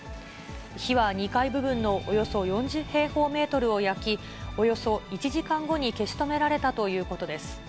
火は２階部分のおよそ４０平方メートルを焼き、およそ１時間後に消し止められたということです。